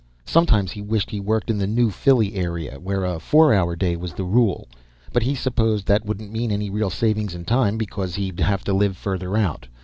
Sometimes he wished he worked in the New Philly area, where a four hour day was the rule. But he supposed that wouldn't mean any real saving in time, because he'd have to live further out.